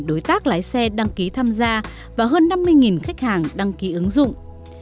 đối tác lái xe đăng ký tham gia và hơn năm mươi khách hàng đăng ký ứng dụng